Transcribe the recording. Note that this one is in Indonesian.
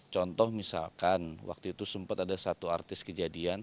contoh misalkan waktu itu sempat ada satu artis kejadian